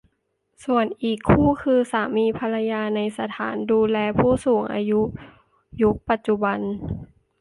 ส่วนอีกคู่คือสามีภรรยาในสถานดูแลผู้สูงอายุยุคปัจจุบัน